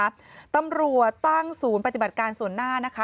ขอบคุณผู้ชมครับตำรวจตั้งศูนย์ปฏิบัติการส่วนหน้านะคะ